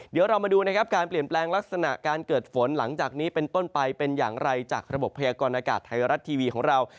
เดี๋ยวเรามาดูนะครับการเปลี่ยนแปลงลักษณะการเกิดฝนหลังจากนี้เป็นต้นไปเป็นอย่างไรจากระบบพยากรณากาศไทยรัฐทีวีของเรา